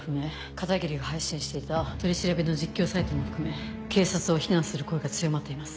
片桐が配信していた取り調べの実況サイトも含め警察を非難する声が強まっています。